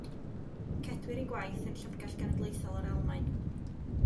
Cedwir ei gwaith yn Llyfrgell Genedlaethol yr Almaen.